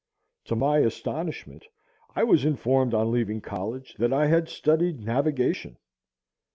To my astonishment I was informed on leaving college that I had studied navigation!